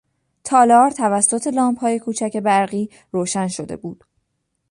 تالار توسط لامپهای کوچک برقی روشن شده بود.